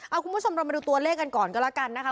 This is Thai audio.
เอาคุณผู้ชมเรามาดูตัวเลขกันก่อนก็แล้วกันนะคะ